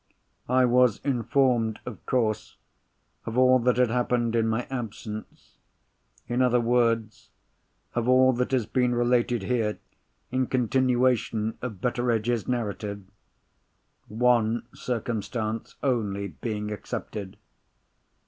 I was informed, of course, of all that had happened in my absence; in other words, of all that has been related here in continuation of Betteredge's narrative—one circumstance only being excepted.